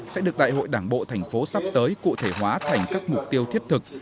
sẽ được đại hội đảng bộ thành phố sắp tới cụ thể hóa thành các mục tiêu thiết thực